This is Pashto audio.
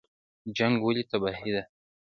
جنګ ولې تباهي ده؟